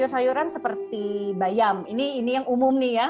sayur sayuran seperti bayam ini yang umum nih ya